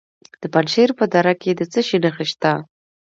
د پنجشیر په دره کې د څه شي نښې دي؟